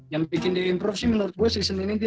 yang bikin dia improve sih menurut gue season ini dia